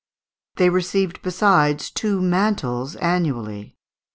They received, besides, two mantles annually.